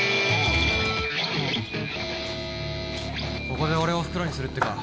ここで俺をフクロにするってか。